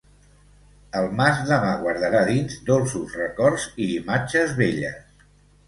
El mas demà guardarà dins, dolços records i imatges belles.